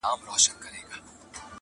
له مخلوقه يې جلا وه رواجونه!.